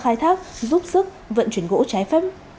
khai thác giúp sức vận chuyển gỗ trái phép